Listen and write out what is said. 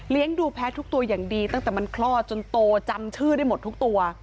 ดูแพ้ทุกตัวอย่างดีตั้งแต่มันคลอดจนโตจำชื่อได้หมดทุกตัว